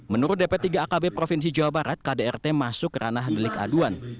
menurut dp tiga akb provinsi jawa barat kdrt masuk kerana handlik aduan